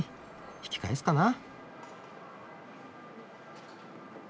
引き返すかな。